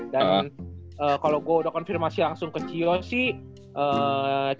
dan kalo gua udah konfirmasi langsung ke cio sih